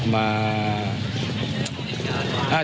มา